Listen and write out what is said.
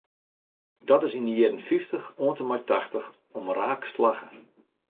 Dat is yn de jierren fyftich oant en mei tachtich omraak slagge.